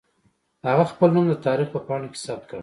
هغې خپل نوم د تاریخ په پاڼو کې ثبت کړ